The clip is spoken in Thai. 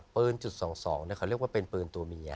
ปืนจุดสองสองเนี่ยเขาเรียกว่าเป็นปืนตัวเมีย